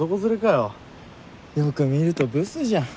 よく見るとブスじゃん。